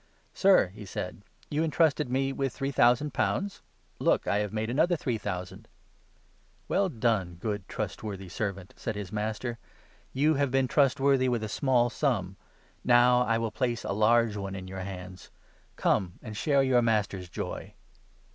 ' Sir,' he said, ' you entrusted me with three thousand pounds ; look, I have made another three thousand !' 'Well done, good, trustworthy servant!' said his master. 21 ' You have been trustworthy with a small sum ; now I will place a large one in your hands ; come and share your master's joy